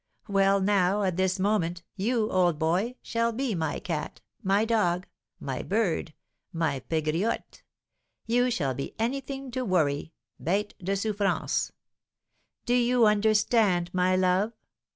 Well, now, at this moment, you, old boy, shall be my cat, my dog, my bird, my Pegriotte; you shall be anything to worry (bête de souffrance). Do you understand, my love?